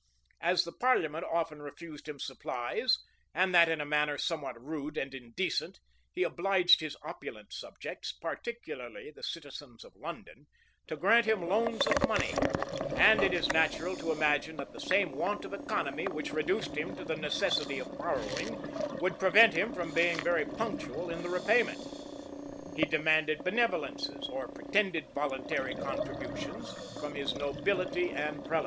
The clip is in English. As the parliament often refused him supplies, and that in a manner somewhat rude and indecent,[] he obliged his opulent subjects, particularly the citizens of London, to grant him loans of money; and it is natural to imagine that the same want of economy which reduced him to the necessity of borrowing, would prevent him from being very punctual in the repayment.[] He demanded benevolences, or pretended voluntary contributions, from his nobility and prelates.